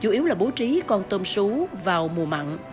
chủ yếu là bố trí con tôm sú vào mùa mặn